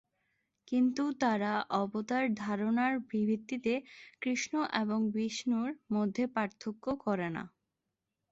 কিন্তু তারা অবতার ধারণার ভিত্তিতে কৃষ্ণ এবং বিষ্ণুর মধ্যে পার্থক্য করে না।